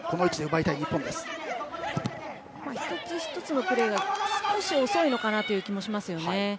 １つ１つのプレーが少し遅いのかなという気もしますよね。